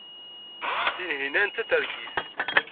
Tinhinan d tatergit.